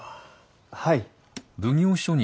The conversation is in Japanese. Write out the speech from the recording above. はい。